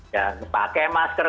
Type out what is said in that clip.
ya pakai masker